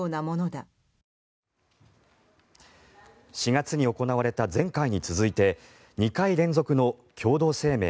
４月に行われた前回に続いて２回連続の共同声明